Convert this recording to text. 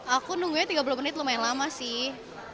aku nunggunya tiga puluh menit lumayan lama sih